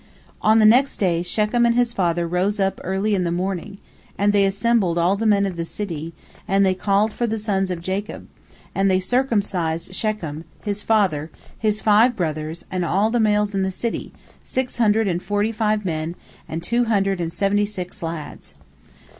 On the next day, Shechem and his father rose up early in the morning, and they assembled all the men of the city, and they called for the sons of Jacob, and they circumcised Shechem, his father, his five brothers, and all the males in the city, six hundred and forty five men and two hundred and seventy six lads.